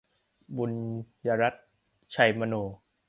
บุญรัตน์ ไชยมโน